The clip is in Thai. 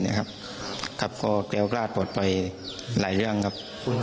เรากระเพราะไปหลายเรื่องครับ